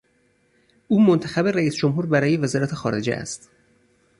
او منتخب رئیس جمهور برای وزارت خارجه است.